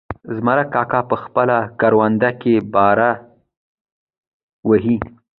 زمرک کاکا په خپله کرونده کې باره وهي.